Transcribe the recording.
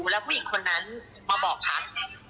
แล้วผู้หญิงคนนั้นมาบอกพัก